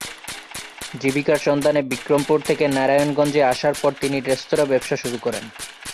জীবিকার সন্ধানে বিক্রমপুর থেকে নারায়ণগঞ্জে আসার পর তিনি রেস্তোরাঁ ব্যবসা শুরু করেন।